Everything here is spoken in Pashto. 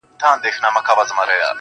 په دومره ډېرو خلګو کي چي شمېر يې